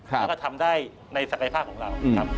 แล้วก็ทำได้ในสกัดภาพของเรา